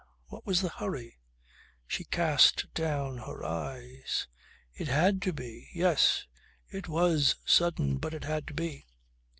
What was the hurry?" She cast down her eyes. "It had to be. Yes. It was sudden, but it had to be."